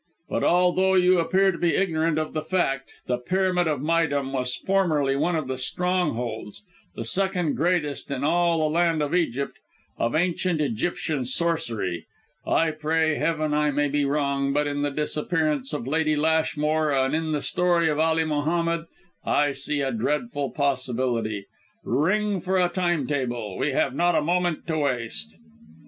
But although you appear to be ignorant of the fact, the Pyramid of Méydûm was formerly one of the strong holds the second greatest in all the land of the Nile of Ancient Egyptian sorcery! I pray heaven I may be wrong, but in the disappearance of Lady Lashmore, and in the story of Ali Mohammed, I see a dreadful possibility. Ring for a time table. We have not a moment to waste!"